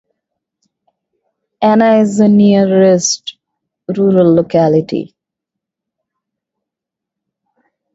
Anna is the nearest rural locality.